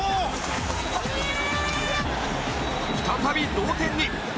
再び同点に